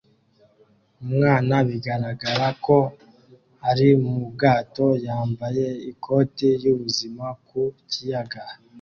Umwana bigaragara ko ari mu bwato yambaye ikoti y'ubuzima ku kiyaga